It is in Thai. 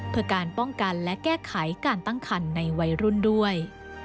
เพื่อการป้องกันและแก้ไขการตั้งคันในวัยรุ่นด้วย